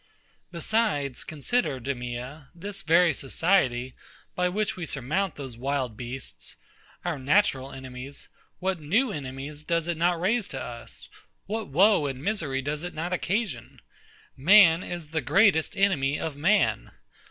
Besides, consider, DEMEA: This very society, by which we surmount those wild beasts, our natural enemies; what new enemies does it not raise to us? What woe and misery does it not occasion? Man is the greatest enemy of man.